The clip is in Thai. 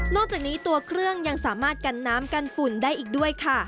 จากนี้ตัวเครื่องยังสามารถกันน้ำกันฝุ่นได้อีกด้วยค่ะ